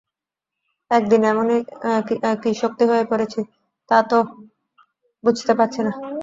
একদিনে এমনি কি অশক্ত হয়ে পড়েছি তা তো বুঝতে পারছি নে।